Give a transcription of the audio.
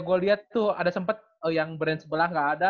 gua lihat tuh ada sempet yang brand sebelah nggak ada